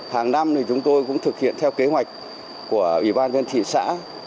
hàng năm thì chúng tôi cũng thực hiện theo kế hoạch của ủy ban dân thị xã